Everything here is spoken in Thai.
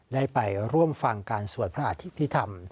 ได้ไปร่วมฟังการสวดพระอธิพิธรรม